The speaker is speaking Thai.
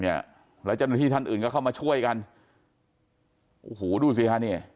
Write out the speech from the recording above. อย่าติดที่ท่านอื่นก็เข้ามาช่วยกันอู้หูดูสิฮะนี่